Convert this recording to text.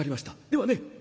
ではね